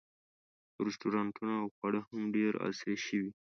رسټورانټونه او خواړه هم ډېر عصري شوي.